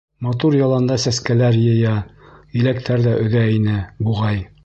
Матур яланда сәскәләр йыя, еләктәр ҙә өҙә ине, буғай.